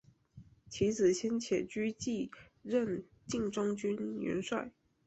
其子先且居继任晋中军元帅。